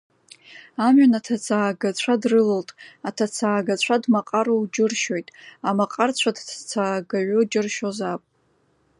Амҩан аҭацаагацәа дрылалт, аҭацаагацәа дмаҟароу џьыршьоит, амаҟарацәа дҭацаагаҩу џьыршьозаап.